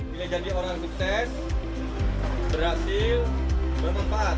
bila jadi orang yang sukses berhasil bermanfaat